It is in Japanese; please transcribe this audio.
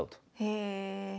へえ。